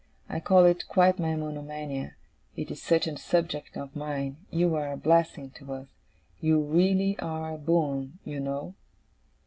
I call it quite my monomania, it is such a subject of mine. You are a blessing to us. You really are a Boon, you know.